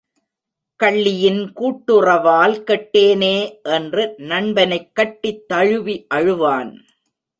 கள்ளியின் கூட்டுறவால் கெட்டேனே! என்று நண்பனைக் கட்டித் தழுவி அழுவான்.